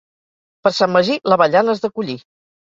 Per Sant Magí, l'avellana has de collir.